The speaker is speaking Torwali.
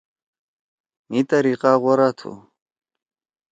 مھی طریقہ غورا تُھو۔